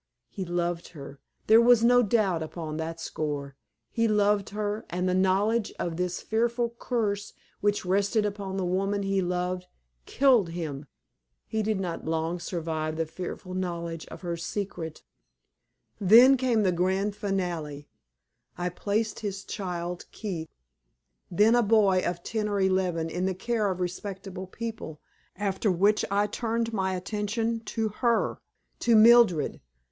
He loved her there was no doubt upon that score he loved her, and the knowledge of this fearful curse which rested upon the woman he loved killed him. He did not long survive the fearful knowledge of her secret. Then came the grand finale. I placed his child Keith, then a boy of ten or eleven, in the care of respectable people, after which I turned my attention to her to Mildred.